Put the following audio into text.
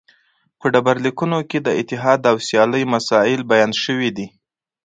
په ډبرلیکونو کې د اتحاد او سیالۍ مسایل بیان شوي دي